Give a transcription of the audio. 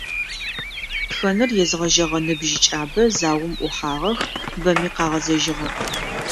Тхэныр езгъэжьэгъэ ныбжьыкӏабэ заом ӏухьагъэх, бэми къагъэзэжьыгъэп.